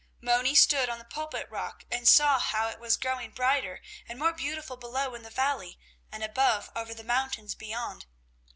Moni stood on the Pulpit rock and saw how it was growing brighter and more beautiful below in the valley and above over the mountains beyond.